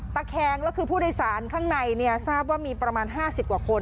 แคงแล้วคือผู้โดยสารข้างในทราบว่ามีประมาณ๕๐กว่าคน